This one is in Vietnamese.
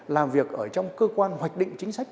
làm việc ở trong cơ quan hoạch định chính sách